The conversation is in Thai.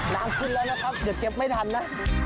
น้ำขึ้นแล้วนะครับเดี๋ยวเก็บไม่ทันนะ